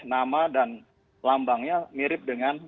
nama dan lambangnya mirip dengan